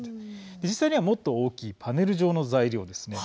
実際には、もっと大きいパネル状の材料ですね。